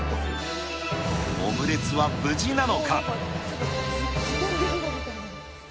オムレツは無事なのか。